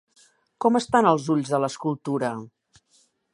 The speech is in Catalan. Com estan els ulls de l'escultura?